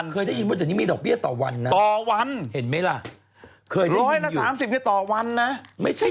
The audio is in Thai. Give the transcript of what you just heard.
คุณยืมพันหนึ่งจ่าย๓๐๐